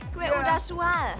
kue udah sual